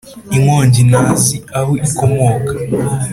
Inkongi ntazi aho ikomoka